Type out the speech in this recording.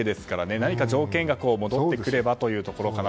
何か条件が戻ってくればというところかも。